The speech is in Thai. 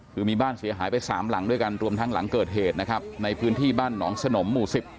คือมีบ้านเสียหายไปสามหลังด้วยกันรวมทั้งหลังเกิดเหตุนะครับในพื้นที่บ้านหนองสนมหมู่๑๐